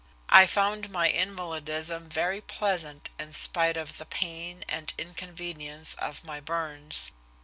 I found my invalidism very pleasant in spite of the pain and inconvenience of my burns.